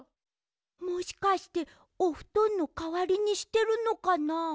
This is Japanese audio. もしかしておふとんのかわりにしてるのかな？